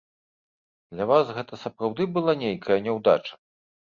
Для вас гэта сапраўды была нейкая няўдача?